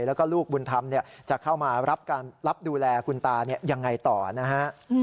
แล้วก็ลูกบุญธรรมจะเข้ามารับดูแลคุณตายังไงต่อนะฮะ